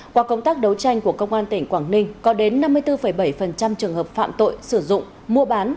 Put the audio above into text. qua công tác đấu tranh của công an tỉnh quảng ninh có đến năm mươi bốn bảy trường hợp phạm tội sử dụng mua bán